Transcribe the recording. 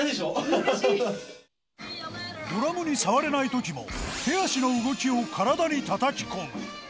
難しい！ドラムに触れないときも、手足の動きを体にたたき込む。